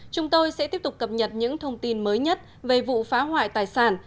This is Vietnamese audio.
chúng tôi sẽ tiếp tục cập nhật những thông tin mới nhất về vụ phá hoại tài sản